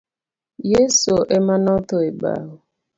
Yeso emanotho e bao.